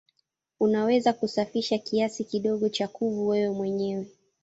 Unaweza kusafisha kiasi kidogo cha kuvu wewe mwenyewe.